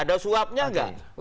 ada suapnya enggak